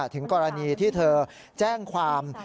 ถึงกรณีที่เธอแจ้งความ